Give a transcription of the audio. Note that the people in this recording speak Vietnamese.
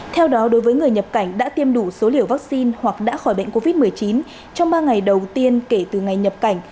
theo đó đối với người nhập cảnh đã tiêm đủ số liều vaccine hoặc đã khỏi bệnh covid một mươi chín trong ba ngày đầu tiên kể từ ngày nhập cảnh